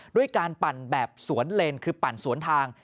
ด้วยการปั่นแบบสวนเลนคือปั่นสวนทาง